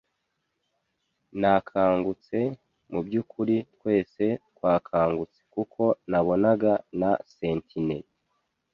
Nakangutse - mubyukuri, twese twakangutse, kuko nabonaga na sentinel